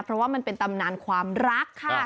เพราะว่ามันเป็นตำนานความรักค่ะ